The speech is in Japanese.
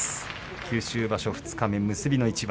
九州場所二日目、結びの一番。